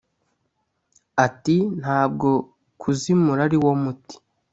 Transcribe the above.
Ati “Ntabwo kuzimura ari wo muti